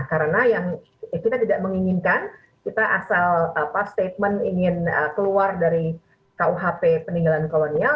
karena yang kita tidak menginginkan kita asal statement ingin keluar dari kuhp peninggalan kolonial